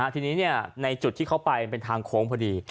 ทีนี้ในจุดที่เขาไปเป็นทางโค้งพอดี